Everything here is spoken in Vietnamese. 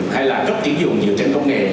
hay là cấp tiến dụng dựa trên công nghệ